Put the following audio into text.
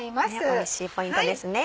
おいしいポイントですね。